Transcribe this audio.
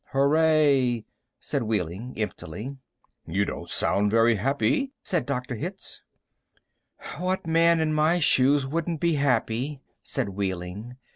"Hooray," said Wehling emptily. "You don't sound very happy," said Dr. Hitz. "What man in my shoes wouldn't be happy?" said Wehling.